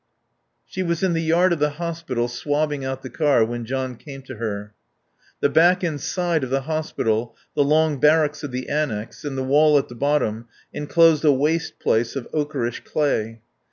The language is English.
She was in the yard of the hospital, swabbing out the car, when John came to her. The back and side of the hospital, the long barracks of the annex and the wall at the bottom enclosed a waste place of ochreish clay.